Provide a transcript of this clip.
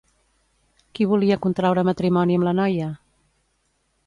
Qui volia contraure matrimoni amb la noia?